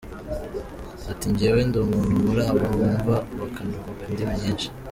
Ati “Jyewe ndi umuntu muri abo bumva bakanavuga indimi nyinshi.